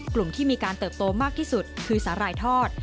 กลุ่มที่มีการเติบโตมากที่สุดคือสาหร่ายทอด